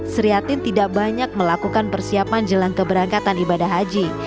seriatin tidak banyak melakukan persiapan jelang keberangkatan ibadah haji